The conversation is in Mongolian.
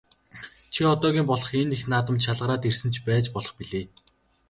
Чи одоогийн болох энэ их наадамд шалгараад ирсэн ч байж болох билээ.